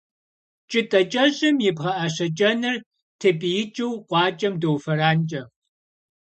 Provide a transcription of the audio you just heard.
Кӏытӏэ кӏэщӏым и пхъэӏэщэ кӏэныр тепӏиикӏыу къуакӏэм доуфэранкӏэ.